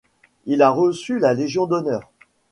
Il a reçu la Légion d'honneur.